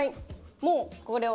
もうこれを。